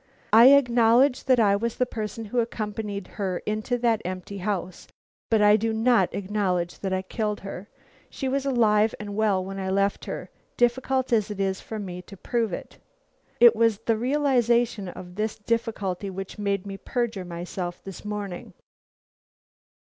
"I acknowledge that I was the person who accompanied her into that empty house; but I do not acknowledge that I killed her. She was alive and well when I left her, difficult as it is for me to prove it. It was the realization of this difficulty which made me perjure myself this morning."